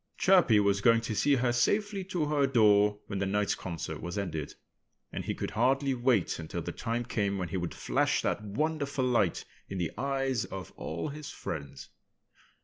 Chirpy was going to see her safely to her door when the night's concert was ended. And he could hardly wait until the time came when he would flash that wonderful light in the eyes of all his friends.